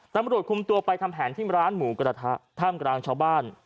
ตำรวจคุมตัวไปทำแผนที่ร้านหมูกระทะท่ามกลางชาวบ้าน